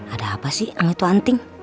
ada apa sih langit itu anting